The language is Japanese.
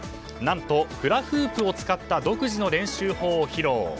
何とフラフープを使った独自の練習法を披露。